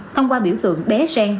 thông qua biểu tượng bé sen